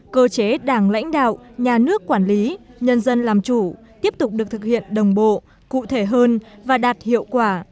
cơ chế đảng lãnh đạo nhà nước quản lý nhân dân làm chủ tiếp tục được thực hiện đồng bộ cụ thể hơn và đạt hiệu quả